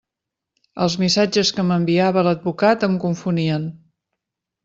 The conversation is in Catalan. Els missatges que m'enviava l'advocat em confonien.